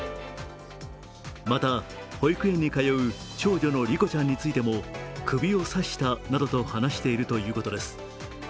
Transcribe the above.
また、保育園に通う長女の梨心ちゃんについても首を刺したなどと話しているということです。